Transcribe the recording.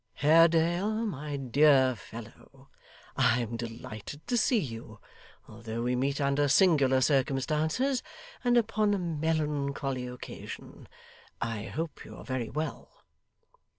Haredale, my dear fellow, I am delighted to see you, although we meet under singular circumstances, and upon a melancholy occasion. I hope you are very well.